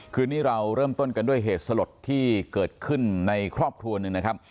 คืนนี้เราเริ่มต้นกันด้วยเหตุสลดที่เกิดขึ้นในครอบครัวหนึ่งนะครับ